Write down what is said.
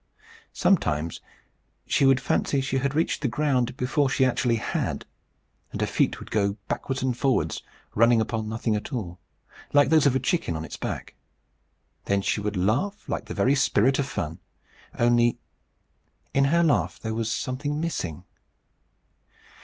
Sometimes she would fancy she had reached the ground before she actually had, and her feet would go backwards and forwards, running upon nothing at all, like those of a chicken on its back. Then she would laugh like the very spirit of fun; only in her laugh there was something missing.